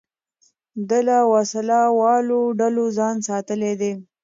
ده له وسلهوالو ډلو ځان ساتلی دی.